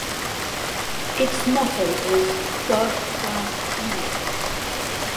Its motto is "God Grant Unity".